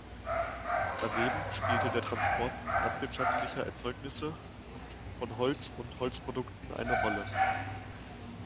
Daneben spielte der Transport landwirtschaftlicher Erzeugnisse und von Holz und Holzprodukten eine Rolle.